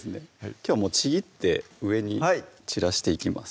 きょうはちぎって上に散らしていきます